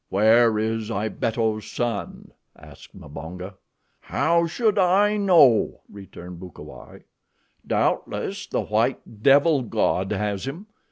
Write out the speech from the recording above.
"Where is Ibeto's son?" asked Mbonga. "How should I know?" returned Bukawai. "Doubtless the white devil god has him.